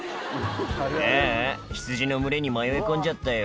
「ああヒツジの群れに迷い込んじゃったよ」